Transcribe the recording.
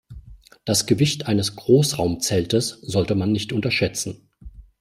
Das Gewicht eines Großraumzeltes sollte man nicht unterschätzen.